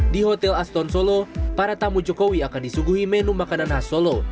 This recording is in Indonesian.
di hotel aston solo para tamu jokowi akan disuguhi menu makanan khas solo